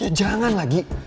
ya jangan lagi